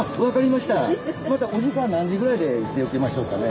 またお時間何時ぐらいで予約入れましょうかね？